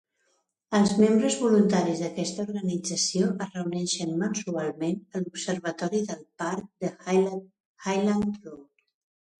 Els membres voluntaris d'aquesta organització es reuneixen mensualment a l'observatori del parc de Highland Road.